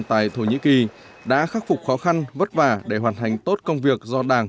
tại thổ nhĩ kỳ đã khắc phục khó khăn vất vả để hoàn thành tốt công việc do đảng